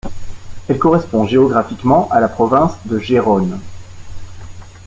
Elle correspond géographiquement à la province de Gérone.